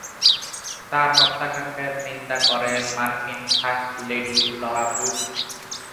তার হত্যাকাণ্ডের নিন্দা করেন মার্কিন ফার্স্ট লেডি লরা বুশ।